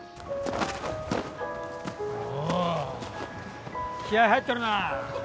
おお気合い入ってるな。